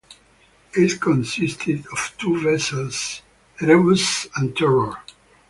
It consisted of two vessels, "Erebus" and "Terror".